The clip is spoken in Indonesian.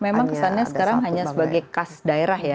memang kesannya sekarang hanya sebagai kas daerah ya